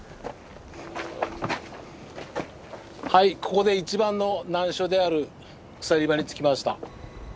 はいここで一番の難所である鎖場に着きました。